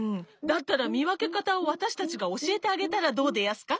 だったらみわけかたをわたしたちがおしえてあげたらどうでやすか？